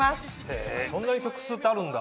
へぇそんなに曲数ってあるんだ。